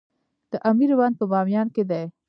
د امیر بند په بامیان کې دی